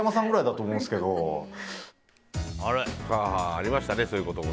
ありましたね、そういうことも。